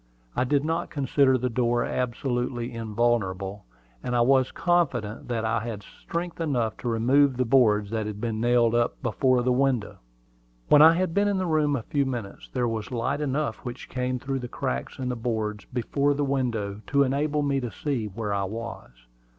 I did not consider the door absolutely invulnerable; and I was confident that I had strength enough to remove the boards that had been nailed up before the window. When I had been in the room a few minutes, there was light enough which came through the cracks in the boards before the window to enable me to see where I was.